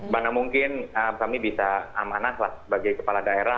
mana mungkin kami bisa amanah lah sebagai kepala daerah